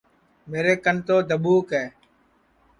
میرے کن تو دھٻوک ہے